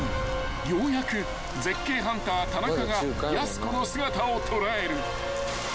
ようやく絶景ハンター田中がやす子の姿を捉える］